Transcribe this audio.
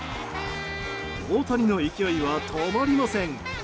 大谷の勢いは止まりません！